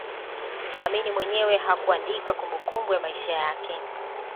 Amin mwenyewe hakuandika kumbukumbu ya maisha yake